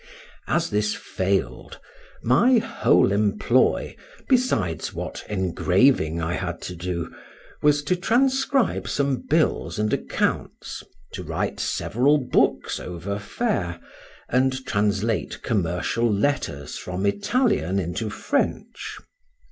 As this failed, my whole employ, besides what engraving I had to do, was to transcribe some bills and accounts, to write several books over fair, and translate commercial letters from Italian into French.